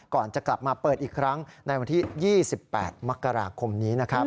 ก่อนจะกลับมาเปิดอีกครั้งในวันที่๒๘มกราคมนี้นะครับ